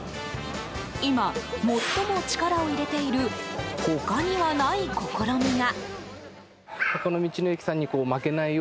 今、最も力を入れている他にはない試みが。